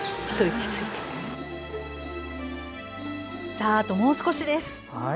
さあ、あともう少しです！